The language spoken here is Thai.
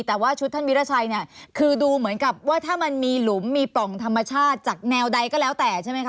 แต่ว่าชุดท่านวิราชัยเนี่ยคือดูเหมือนกับว่าถ้ามันมีหลุมมีปล่องธรรมชาติจากแนวใดก็แล้วแต่ใช่ไหมคะ